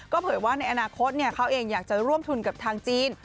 เผยว่าในอนาคตเขาเองอยากจะร่วมทุนกับทางจีน